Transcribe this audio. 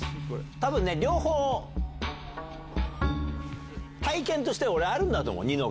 多分ね両方体験としてあるんだと思うニノ。